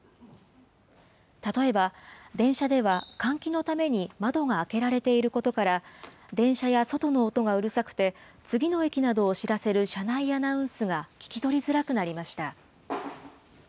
例えば、電車では換気のために窓が開けられていることから、電車や外の音がうるさくて、次の駅などを知らせる車内アナウンスが聞き取りづらくなりました。